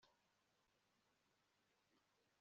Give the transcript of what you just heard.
nagize amahirwe yo kubona ibyo